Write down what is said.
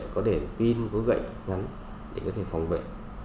có để pin có gậy ngắn để có thể phòng vệ